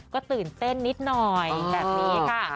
ก็ตื่นเต้นนิดหน่อยแบบนี้ค่ะ